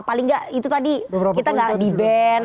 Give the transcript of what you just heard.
paling gak itu tadi kita gak di ban